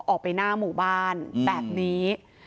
ออกไปหน้าหมู่บ้านแบบนี้